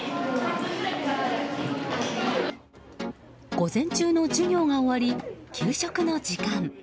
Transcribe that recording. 午前中の授業が終わり給食の時間。